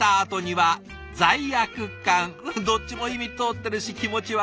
どっちも意味通ってるし気持ち分かる！